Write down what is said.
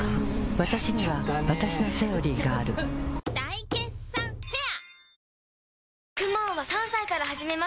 わたしにはわたしの「セオリー」がある大決算フェア